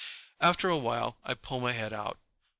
After a while I pull my head out.